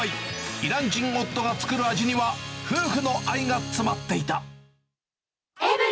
イラン人夫が作る味には、夫婦の愛が詰まっていた。